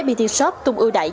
fpt shop tung ưu đại